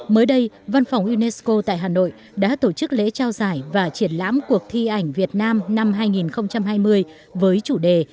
mới đây văn phòng unesco tại hà nội đã tổ chức lễ trao giải và triển lãm cuộc thi ảnh việt nam năm hai nghìn hai mươi với chủ đề